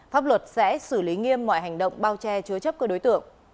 pháp luật sẽ xử lý nghiêm mọi hành động bao che chứa chấp cơ đối tượng